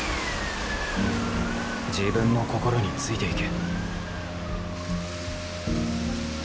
自分の心についていけ。